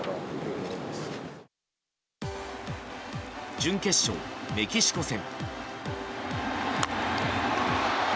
準決勝メキシコ戦。